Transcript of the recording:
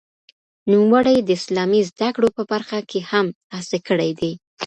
نوموړي د اسلامي زده کړو په برخه کې هم هڅې کړې دي.